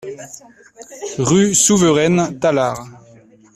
Rue Souveraine, Tallard